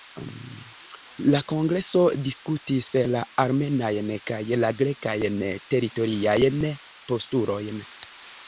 La kongreso diskutis la armenajn kaj la grekajn teritoriajn postulojn.